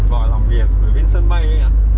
gọi làm việc ở bên sân bay đấy ạ